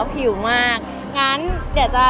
ผิวมากงั้นเดี๋ยวจะ